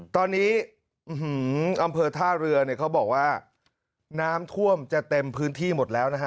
ตอนนี้อำเภอท่าเรือแบบว่าน้ำถั่วจะเต็มพื้นที่หมดแล้วนะครับ